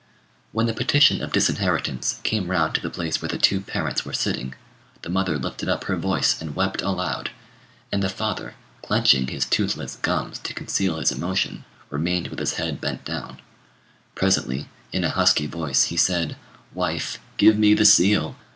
] When the petition of disinheritance came round to the place where the two parents were sitting, the mother lifted up her voice and wept aloud; and the father, clenching his toothless gums to conceal his emotion, remained with his head bent down: presently, in a husky voice, he said, "Wife, give me the seal!"